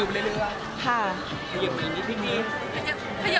เป็นเรื่อย